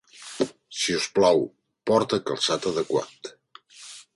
Si us plau, porta calçat adequat.